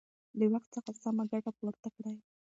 له وخت څخه سمه ګټه پورته کړئ.